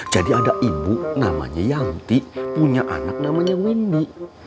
jadi ada ibu namanya yanti punya anak namanya windy